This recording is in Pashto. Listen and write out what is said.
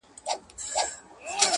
يو نغمه ګره نقاسي کومه ښه کوومه,